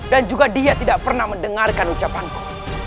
dan juga dia tidak pernah mendengarkan ucapanku